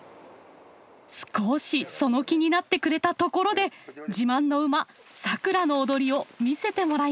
少しその気になってくれたところで自慢の馬サクラの踊りを見せてもらいます。